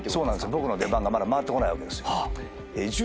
僕の出番がまだ回ってこないわけですよ。